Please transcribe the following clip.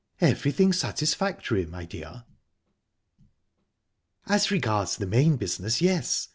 "Everything satisfactory, my dear?" "As regards the main business yes.